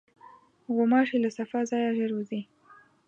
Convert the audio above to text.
غوماشې له صفا ځایه ژر وځي.